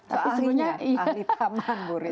ahli taman bu risma